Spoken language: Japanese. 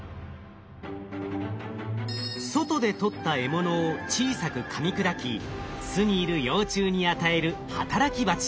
外で捕った獲物を小さくかみ砕き巣にいる幼虫に与える働きバチ。